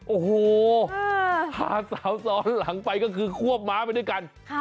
โอ้โหพาสาวซ้อนหลังไปก็คือควบม้าไปด้วยกัน